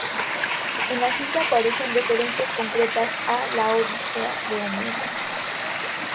En la cinta aparecen referencias concretas a "La Odisea" de Homero.